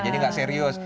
jadi gak serius